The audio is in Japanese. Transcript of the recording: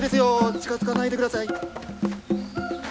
近づかないで下さい。